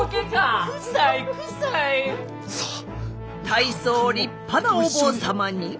大層立派なお坊様に。